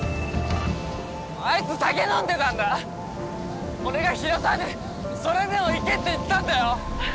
あいつ酒飲んでたんだ俺が広沢にそれでも行けって言ったんだよ！